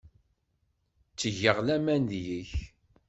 Ttgeɣ laman deg-k.